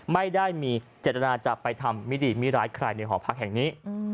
ไม่ได้มีเจตนาจะไปทำมิดีมิร้ายใครในหอพักแห่งนี้